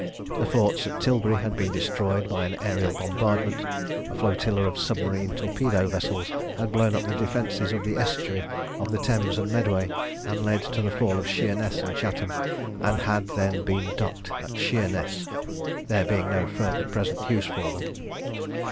The forts at Tilbury had been destroyed by an aërial bombardment. A flotilla of submarine torpedo vessels had blown up the defences of the estuary of the Thames and Medway, and led to the fall of Sheerness and Chatham, and had then been docked at Sheerness, there being no further present use for them.